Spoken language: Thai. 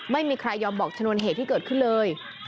ไม่ยอมบอกชนวนเหตุที่เกิดขึ้นเลย